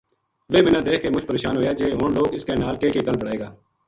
ویہ مَنا دیکھ کے مُچ پرشان ہویا جے ہن لوک اس کے نال کے کے گل بنائے گا